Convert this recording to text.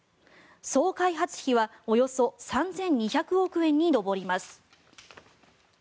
総開発費はおよそ３２００億円に上ります。